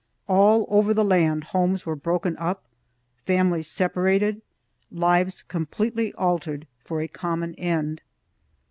All over the land homes were broken up, families separated, lives completely altered, for a common end.